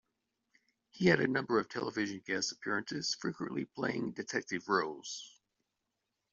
He had a number of television guest appearances, frequently playing detective roles.